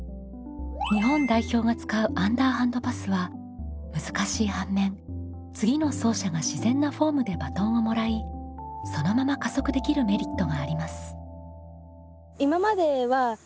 日本代表が使うアンダーハンドパスは難しい反面次の走者が自然なフォームでバトンをもらいそのまま加速できるメリットがあります。